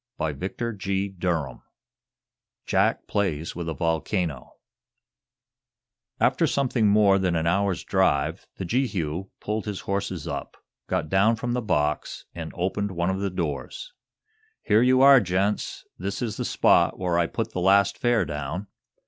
CHAPTER IX JACK PLAYS WITH A VOLCANO After something more than an hour's drive the Jehu pulled his horses up, got down from the box and opened one of the doors. "Here you are, young gents. This is the spot where I put the last fare down.